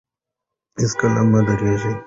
هېڅکله مه درېږئ.